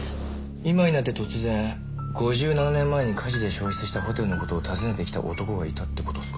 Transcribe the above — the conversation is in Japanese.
今になって突然５７年前に火事で消失したホテルの事を尋ねてきた男がいたって事ですか？